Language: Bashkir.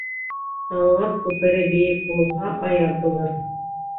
Салауат күпере бейек булһа, аяҙ булыр